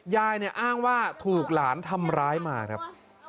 ยายเนี่ยอ้างว่าถูกหลานทำร้ายมาครับ